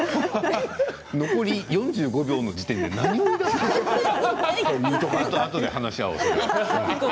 残り４５秒の時点で何を言うのあとで話し合おう。